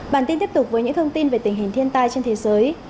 bản tin tiếp tục với những thông tin về tình hình thiên tai trên thế giới